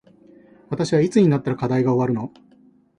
私はいつになったら課題が終わるの